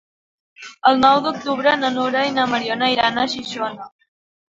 El nou d'octubre na Nura i na Mariona iran a Xixona.